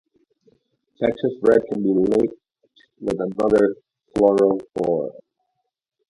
Texas Red can be linked with another fluorophore.